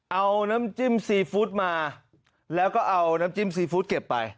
เอาน้ำจิ้มซีฟู้ดมาแล้วก็เอาน้ำจิ้มซีฟู้ดเก็บไป